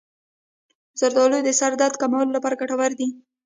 زردآلو د سر درد کمولو لپاره ګټور دي.